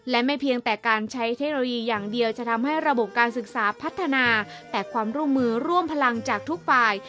และไม่เพียงแต่การใช้เทคโนโลยีอย่างเดียวจะทำให้ระบบการศึกษาพัฒนาแต่ความร่วมมือร่วมพลังจากทุกฝ่าย